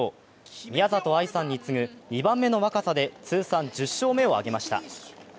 宮里藍さんに次ぐ２番目の若さで通算１０勝目を挙げました。